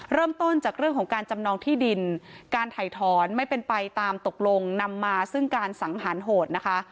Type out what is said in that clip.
เริ่มต้นจากเรื่องของการจำนองที่ดินการถ่ายถอนไม่เป็นไปตามตกลงนำมาซึ่งการสังหารโหดนะคะ